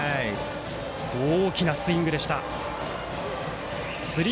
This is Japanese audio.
大きなスイングでした。